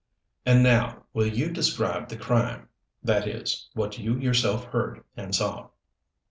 "And now will you describe the crime that is, what you yourself heard and saw?"